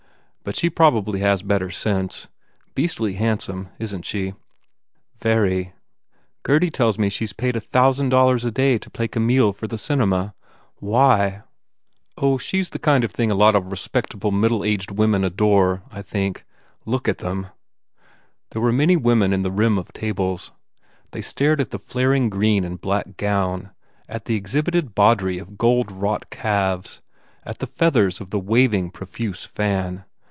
But she probably has better sense. Beastly hand some, isn t she?" "Very brutta bestia bella. Gurdy tells me she s paid a thousand dollars a day to play Ca mille for the cinema. Why?" 230 BUBBLE "Oh ... she s the kind of thing a lot of respectable middle aged women adore, I think. Look at them." There were many women in the rim of tables. They stared at the flaring green and black gown, at the exhibited bawdry of gold wrought calves, at the feathers of the waving, profuse fan.